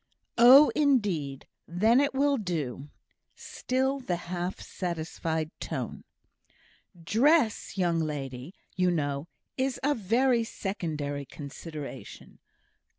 "Oh! indeed. Then it will do" (still the half satisfied tone). "Dress, young ladies, you know, is a very secondary consideration.